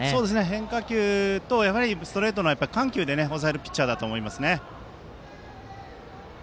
変化球とストレートの緩急で抑えるピッチャーだと思います。